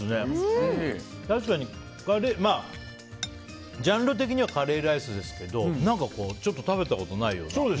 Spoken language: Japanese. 確かに、ジャンル的にはカレーライスですけどちょっと食べたことがないような。